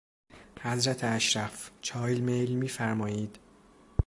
حضرت اشرف، چای میل میفرمایید؟